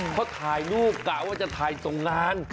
เพราะถ่ายลูกกะว่าจะถ่ายตรงงาน